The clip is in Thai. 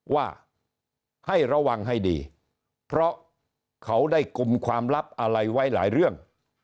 ว่าให้ระวังให้ดีเพราะเขาได้กลุ่มความลับอะไรไว้หลายเรื่อง